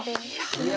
いや。